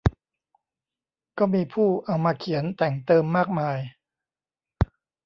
ก็มีผู้เอามาเขียนแต่งเติมมากมาย